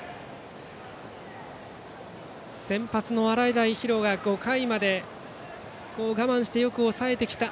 先発の洗平比呂が５回まで我慢してよく抑えてきた。